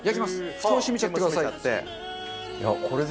ふたは閉めちゃってください。